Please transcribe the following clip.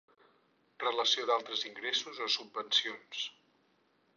Relació d'altres ingressos o subvencions.